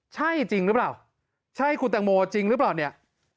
ใช่จริงหรือเปล่าใช่คุณตังโมจริงหรือเปล่าเนี่ย